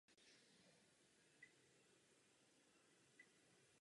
Začal studovat hudební vědu na Masarykově univerzitě v Brně.